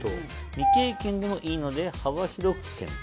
「未経験でも良いので幅広く検討」。